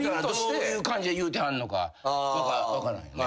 どういう感じで言うてはんのか分かんないけどね。